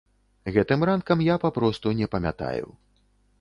Гэтым ранкам я папросту не памятаю.